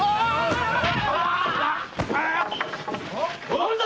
何だ